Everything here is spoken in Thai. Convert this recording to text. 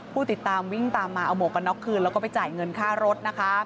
ผู้ติดตามวิ่งตามมาเอาหมวกกันน็อกคืนแล้วก็ไปจ่ายเงินค่ารถนะคะ